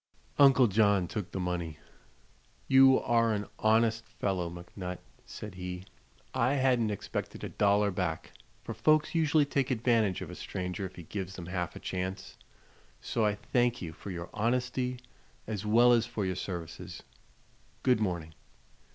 Uncle John took the money. "You are an honest fellow, McNutt," said he. "I hadn't expected a dollar back, for folks usually take advantage of a stranger if he gives them half a chance. So I thank you for your honesty as well as for your services. Good morning."